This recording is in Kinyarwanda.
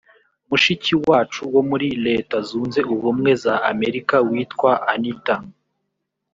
mushiki wacu wo muri leta zunze ubumwe za amerika witwa anita